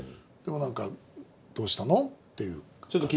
でも何か「どうしたの？」っていう感じ。